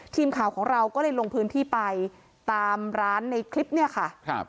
ทีมข่าวของเราก็เลยลงพื้นที่ไปตามร้านในคลิปเนี่ยค่ะครับ